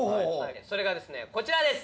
それがですねこちらです。